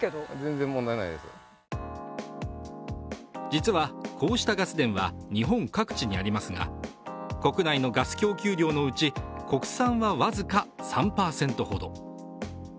実は、こうしたガス田は日本各地にありますが国内のガス供給量のうち国産は僅か３％ほど。